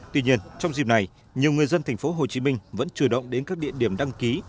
tuy nhiên trong dịp này nhiều người dân tp hcm vẫn chủ động đến các địa điểm đăng ký